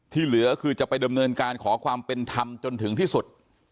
เหลือก็คือจะไปดำเนินการขอความเป็นธรรมจนถึงที่สุด